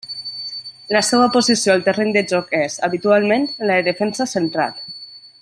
La seva posició al terreny de joc és, habitualment, la de defensa central.